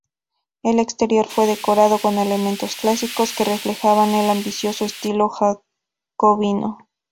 El exterior fue decorado con elementos clásicos que reflejaban el ambicioso estilo jacobino.